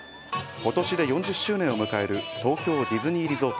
ことしで４０周年を迎える東京ディズニーリゾート。